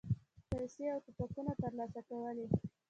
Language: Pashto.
پیسې او توپکونه ترلاسه کولې.